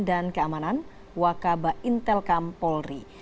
dan keamanan wakaba intelkam polri